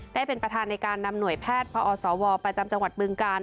ได้เป็นประธานในการนำหน่วยแพทย์พอสวประจำจังหวัดบึงกาล